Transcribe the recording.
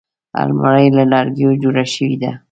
الماري له لرګیو جوړه شوې ده